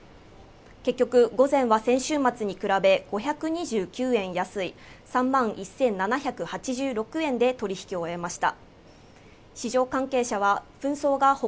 結局午前は先週末に比べ５２９円安い３万１７８６円で取引を終えました